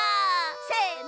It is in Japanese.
せの！